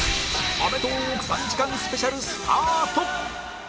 『アメトーーク』３時間スペシャルスタート！